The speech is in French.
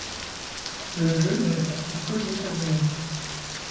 Le jeu n'est sorti qu'aux États-Unis.